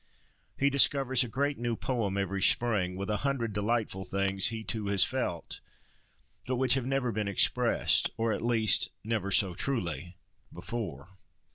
He discovers a great new poem every spring, with a hundred delightful things he too has felt, but which have never been expressed, or at least never so truly, before.